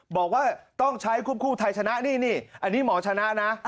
บอกว่าต้องใช้ควบคู่ไทยชนะนี่อันนี้หมอชนะนะ